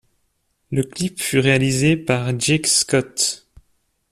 Le clip fut réalisé par Jake Scott.